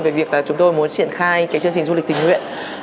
về việc là chúng tôi muốn triển khai cái chương trình du lịch tình nguyện